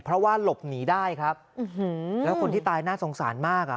เพราะว่าหลบหนีได้ครับแล้วคนที่ตายน่าสงสารมากอ่ะ